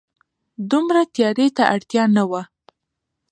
دومره تياري ته اړتيا نه وه